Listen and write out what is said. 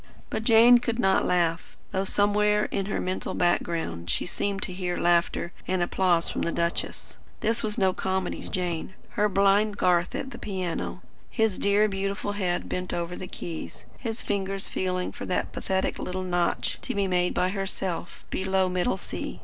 But Jane could not laugh; though somewhere in her mental background she seemed to hear laughter and applause from the duchess. This was no comedy to Jane, her blind Garth at the piano, his dear beautiful head bent over the keys, his fingers feeling for that pathetic little notch, to be made by herself, below middle C.